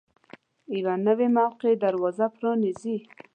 یوه نوې موقع دروازه پرانیزي.